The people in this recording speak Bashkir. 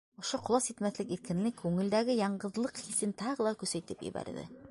Ошо ҡолас етмәҫлек иркенлек күңелдәге яңғыҙлыҡ хисен тағы ла көсәйтеп ебәрҙе.